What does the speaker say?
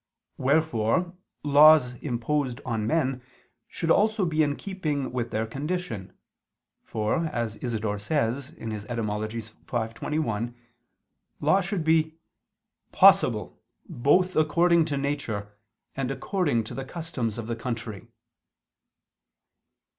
Wherefore laws imposed on men should also be in keeping with their condition, for, as Isidore says (Etym. v, 21), law should be "possible both according to nature, and according to the customs of the country."